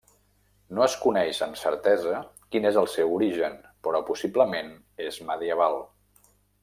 No es coneix amb certesa quin és el seu origen però possiblement és medieval.